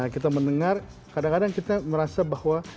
kita mendengar kadang kadang kita merasa bahwa